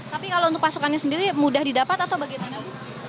tapi kalau untuk pasokannya sendiri mudah didapat atau bagaimana bu